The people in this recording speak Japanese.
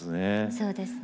そうですね。